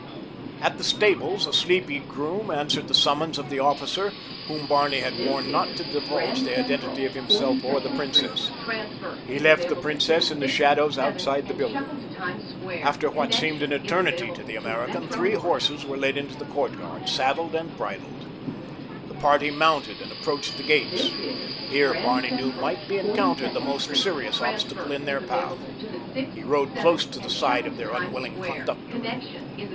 At the stables a sleepy groom answered the summons of the officer, whom Barney had warned not to divulge the identity of himself or the princess. He left the princess in the shadows outside the building. After what seemed an eternity to the American, three horses were led into the courtyard, saddled, and bridled. The party mounted and approached the gates. Here, Barney knew, might be encountered the most serious obstacle in their path. He rode close to the side of their unwilling conductor.